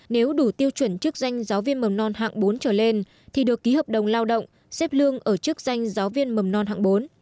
nếu đủ tiêu chuẩn chức danh giáo viên mầm non hạng bốn trở lên thì được ký hợp đồng lao động xếp lương ở chức danh giáo viên mầm non hạng bốn